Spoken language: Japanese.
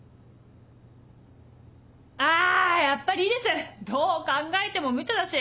あやっぱりいいですどう考えてもむちゃだし。